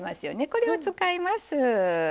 これを使います。